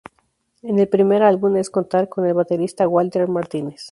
Es el primer álbum en contar con el baterista Walter Martínez.